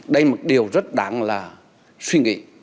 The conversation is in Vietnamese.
đây là một điều rất đáng suy nghĩ